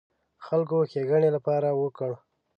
خلکو ښېګڼې لپاره وکړ.